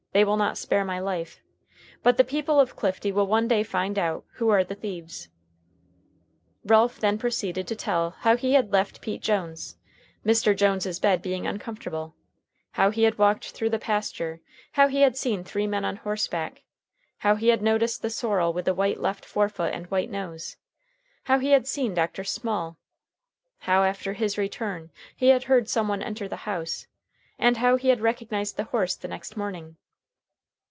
They will not spare my life. But the people of Clifty will one day find out who are the thieves." Ralph then proceeded to tell how he had left Pete Jones's, Mr. Jones's bed being uncomfortable; how he had walked through the pasture; how he had seen three men on horseback: how he had noticed the sorrel with the white left forefoot and white nose; how he had seen Dr. Small; how, after his return, he had heard some one enter the house, and how he had recognized the horse the next morning.